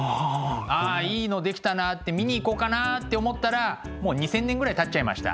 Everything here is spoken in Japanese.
あいいの出来たなって見に行こうかなって思ったらもう２，０００年ぐらいたっちゃいました。